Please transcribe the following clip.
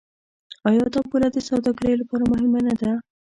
آیا دا پوله د سوداګرۍ لپاره مهمه نه ده؟